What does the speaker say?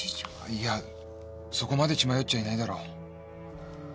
いやそこまで血迷っちゃいないだろう。